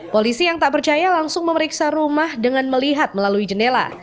polisi yang tak percaya langsung memeriksa rumah dengan melihat melalui jendela